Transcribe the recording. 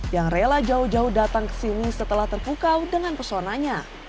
yang rela jauh jauh datang ke sini setelah terpukau dengan pesonanya